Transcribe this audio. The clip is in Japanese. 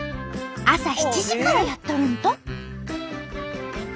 朝７時からやっとるんと！